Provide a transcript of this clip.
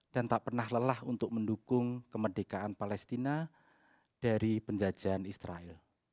dan tak pernah lelah untuk mendukung kemerdekaan palestina dari penjajahan israel